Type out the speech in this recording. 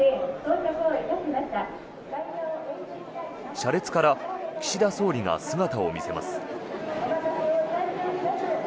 車列から岸田総理が姿を見せます。